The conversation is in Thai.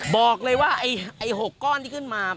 บอกเลยว่าไอ้๖ก้อนที่ขึ้นมา